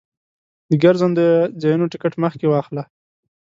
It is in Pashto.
د ګرځندوی ځایونو ټکټ مخکې واخله.